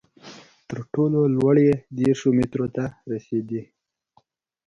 تر ټولو لوړې یې دېرشو مترو ته رسېدې.